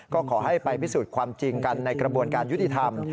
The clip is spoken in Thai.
ก็ขอให้ไปพิสูจน์ความจริงกันในกระบวนการยุติธรรม